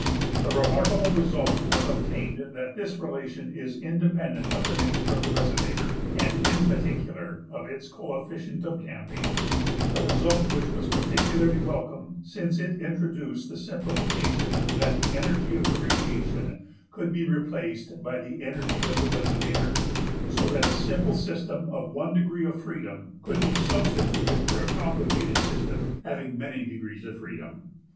The remarkable result was obtained that this relation is independent of the nature of the resonator, and in particular of its coefficient of damping a result which was particularly welcome, since it introduced the simplification that the energy of the radiation could be replaced by the energy of the resonator, so that a simple system of one degree of freedom could be substituted for a complicated system having many degrees of freedom.